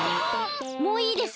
もういいです！